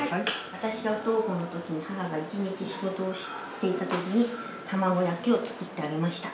「私が不登校の時に母が一日仕事をしていた時に卵焼きを作ってあげました」。